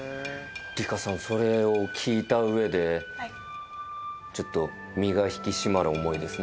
里佳さんそれを聞いた上でちょっと身が引き締まる思いですね。